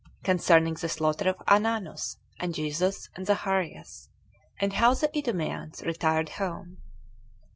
Concerning The Slaughter Of Ananus, And Jesus, And Zacharias; And How The Idumeans Retired Home.